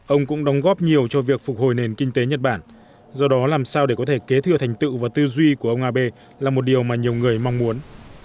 ông cũng đóng góp nhiều cho việc phục hồi nền kinh tế nhật bản do đó làm sao để có thể kế thừa thành tựu và tư duy của ông abe là một điều mà nhiều người mong muốn